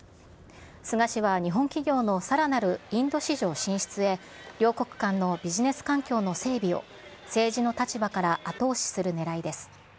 菅氏は日本企業のさらなるインド市場進出へ、両国間のビジネス環境の整備を政治の立場から後押しするねらいです。